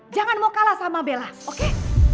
jangan mau kalah sama bella oke